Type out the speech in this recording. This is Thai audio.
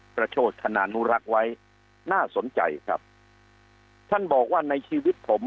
โชธนานุรักษ์ไว้น่าสนใจครับท่านบอกว่าในชีวิตผม